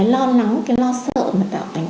lo nắng cái lo sợ mà tạo thành